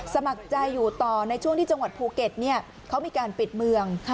สมัครใจอยู่ต่อในช่วงที่จังหวัดภูเก็ตเขามีการปิดเมือง